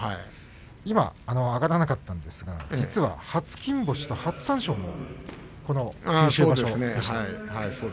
今挙がらなかったんですが実は初金星と初三賞も九州場所でした。